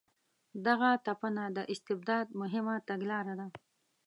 دغه تپنه د استبداد مهمه تګلاره ده.